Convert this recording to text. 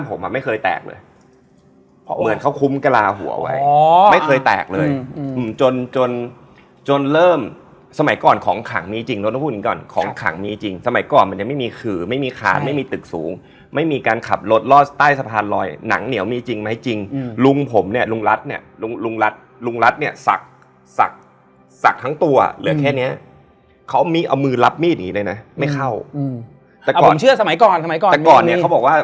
ภาษาจีนเฉพาะก็เลยลืมตาขึ้นมา